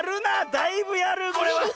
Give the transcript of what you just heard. だいぶやるこれは。